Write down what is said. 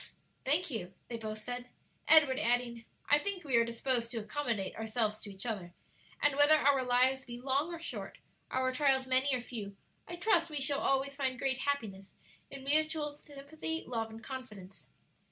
"Thank you," they both said, Edward adding, "I think we are disposed to accommodate ourselves to each other, and whether our lives be long or short, our trials many or few, I trust we shall always find great happiness in mutual sympathy, love and confidence."